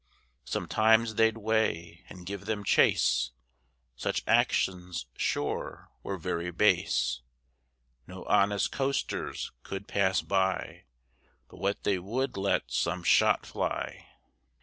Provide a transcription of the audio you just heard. Sometimes they'd weigh and give them chase Such actions, sure, were very base; No honest coasters could pass by But what they would let some shot fly.